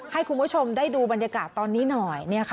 ให้คุณผู้ชมได้ดูบรรยากาศตอนนี้หน่อย